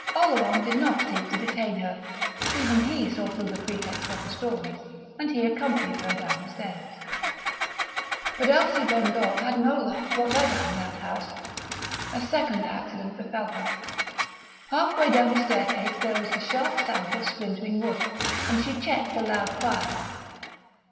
Oleron did not seek to detain her; even he saw through the pretext of the stories; and he accompanied her down the stairs. But Elsie Bengough had no luck whatever in that house. A second accident befell her. Half way down the staircase there was the sharp sound of splintering wood, and she checked a loud cry.